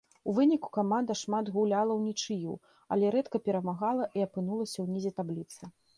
У выніку каманда шмат гуляла ўнічыю, але рэдка перамагала і апынулася ўнізе табліцы.